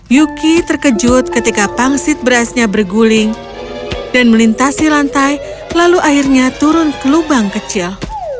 yuki terkejut ketika pangsit berasnya berguling dan melintasi lantai lalu airnya turun ke lubang kecil